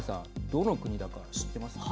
どの国だか知っていますか。